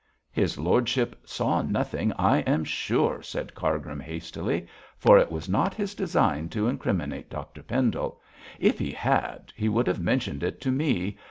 'His lordship saw nothing, I am sure,' said Cargrim, hastily, for it was not his design to incriminate Dr Pendle; 'if he had, he would have mentioned it to me.